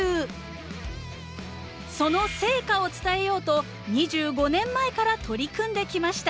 その成果を伝えようと２５年前から取り組んできました。